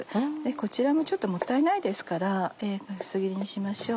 こちらもちょっともったいないですから薄切りにしましょう。